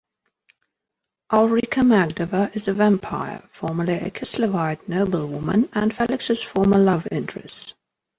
Ulrika Magdova is a vampire, formerly a Kislevite noblewoman and Felix's former love interest.